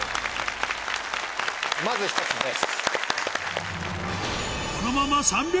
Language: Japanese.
まず１つです。